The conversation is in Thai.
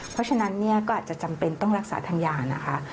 เพราะฉะนั้นเนี่ยก็อาจจะจำเป็นต้องรักษาทางยานะคะ